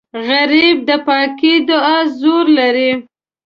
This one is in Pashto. غریب د پاکې دعا زور لري